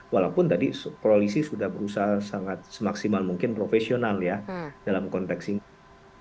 walaupun tadi polisi sudah berusaha sangat semaksimal mungkin profesional ya dalam konteks ini